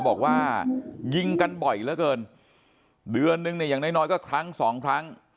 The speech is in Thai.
บอกว่ายิงกันบ่อยเหลือเกินเดือนนึงเนี่ยอย่างน้อยน้อยก็ครั้งสองครั้ง